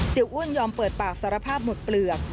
อ้วนยอมเปิดปากสารภาพหมดเปลือก